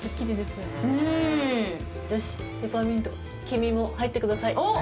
よしペパーミント、君も入ってください。